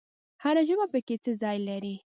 هر ژبه پکې څه ځای لري؟